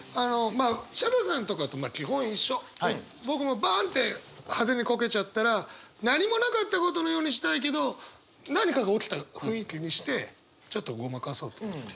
僕もバンって派手にこけちゃったら何もなかったことのようにしたいけど何かが起きた雰囲気にしてちょっとごまかそうと思って。